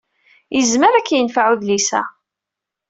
Yezmer ad k-yenfeɛ udlis-a.